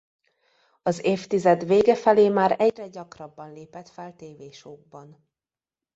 Az évtized vége felé már egyre gyakrabban lépett fel tévé-show-kban.